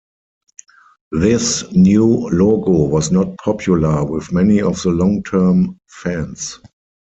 This new logo was not popular with many of the long-term fans.